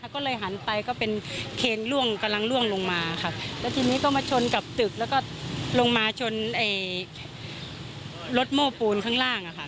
ก็เลยหันไปก็เป็นเคนล่วงกำลังล่วงลงมาค่ะแล้วทีนี้ก็มาชนกับตึกแล้วก็ลงมาชนรถโม้ปูนข้างล่างอะค่ะ